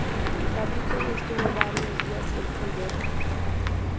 La Virgen estuvo varios días en Olvera.